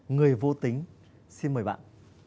người vô tính xin mời bạn